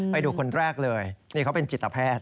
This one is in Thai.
ไปดูคนแรกเลยนี่เขาเป็นจิตแพทย์